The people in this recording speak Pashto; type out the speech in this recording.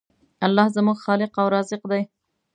الله زموږ خالق او رازق دی.